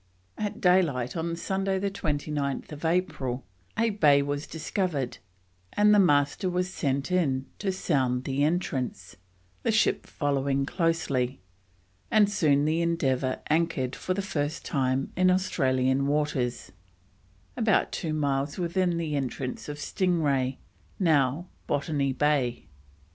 At daylight on Sunday, 29th April, a bay was discovered, and the Master was sent in to sound the entrance, the ship following closely, and soon the Endeavour anchored for the first time in Australian waters, about two miles within the entrance of Sting Ray, now Botany, Bay.